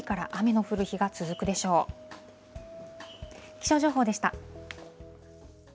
気象情報でした。